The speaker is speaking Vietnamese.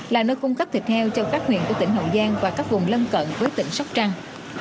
là nơi cung cấp thịt heo cho các huyện của tỉnh hậu giang và các vùng lân cận với tỉnh sóc trăng